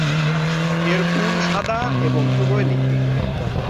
এর ফুল সাদা এবং উভয়লিঙ্গিক।